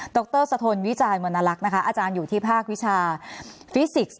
ดรสะทนวิจารณ์มณรักอาจารย์อยู่ที่ภาควิชาฟิสิกส์